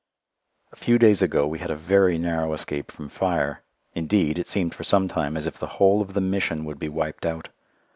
A few days ago we had a very narrow escape from fire; indeed, it seemed for some time as if the whole of the Mission would be wiped out.